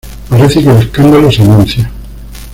Parece que el escándalo se anuncia!